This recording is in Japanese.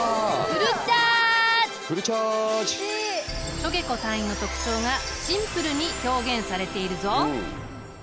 しょげこ隊員の特徴がシンプルに表現されているぞ。